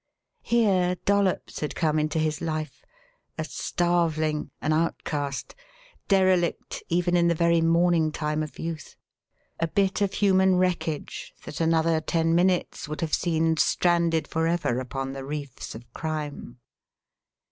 Here Dollops had come into his life a starveling, an outcast; derelict even in the very morning time of youth a bit of human wreckage that another ten minutes would have seen stranded forever upon the reefs of crime.